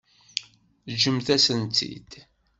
Ǧǧemt-asent-tt-id.